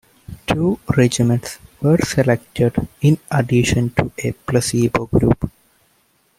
Two regimens were selected, in addition to a placebo group.